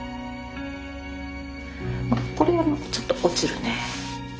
まあこれあのちょっと落ちるね。